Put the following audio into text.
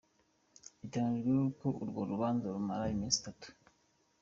Bitegekanijwe ko urwo rubanza rumara imisi itatu.